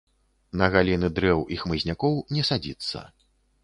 На галіны дрэў і хмызнякоў не садзіцца.